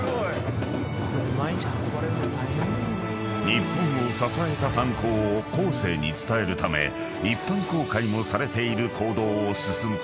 ［日本を支えた炭鉱を後世に伝えるため一般公開もされている］